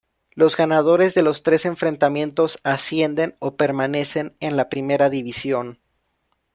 Los ganadores de los tres enfrentamientos ascienden o permanecen en la Primera División.